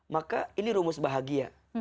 maka ini rumus bahagia